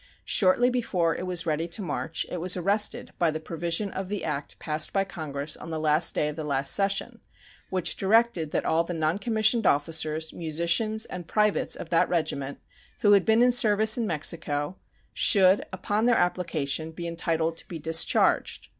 Shortly before it was ready to march it was arrested by the provision of the act passed by Congress on the last day of the last session, which directed that all the noncommissioned officers, musicians, and privates of that regiment who had been in service in Mexico should, upon their application, be entitled to be discharged.